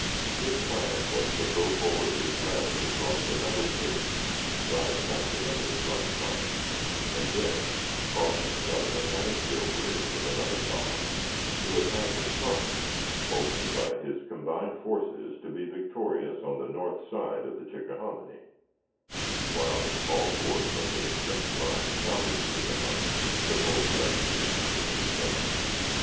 His plan was to throw forward his left across the Meadow Bridge, drive back the enemy's right flank, and then, crossing by the Mechanicsville Bridge with another column, to attack in front, hoping by his combined forces to be victorious on the north side of the Chickahominy; while the small force on the intrenched line south of the Chickahominy should hold the left of the enemy in check.